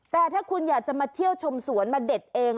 แต่ถ้าคุณอยากจะมาเที่ยวชมสวนมาเด็ดเอง